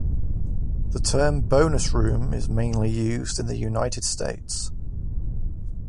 The term "bonus room" is mainly used in the United States.